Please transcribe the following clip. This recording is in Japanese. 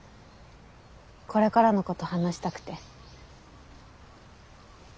これからのこと話したくて。